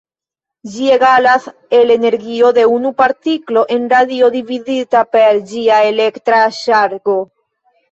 Ĝi egalas el energio de unu partiklo en radio dividita per ĝia elektra ŝargo.